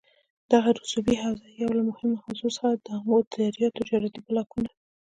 دغه رسوبي حوزه یوه له مهمو حوزو څخه ده دآمو دریا تجارتي بلاکونه